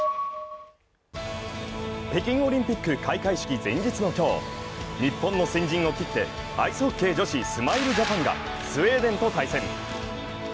北京オリンピック開会式前日の今日、日本の戦陣を切って、アイスホッケー女子スマイルジャパンがスウェーデンと対戦。